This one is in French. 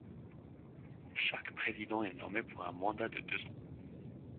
Chaque président est nommé pour un mandat de deux ans.